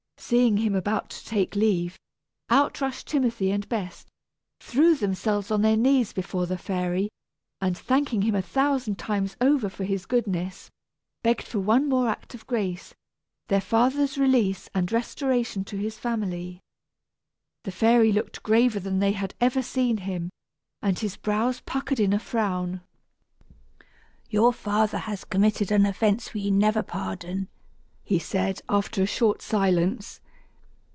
Seeing him about to take leave, out rushed Timothy and Bess, threw themselves on their knees before the fairy, and, thanking him a thousand times over for his goodness, begged for one more act of grace their father's release and restoration to his family. The fairy looked graver than they had ever seen him, and his brows puckered in a frown. "Your father has committed an offence we never pardon," he said, after a short silence.